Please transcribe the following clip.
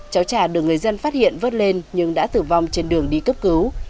cháu trà được người dân phát hiện vớt lên nhưng đã tử vong trên đường đi cấp cứu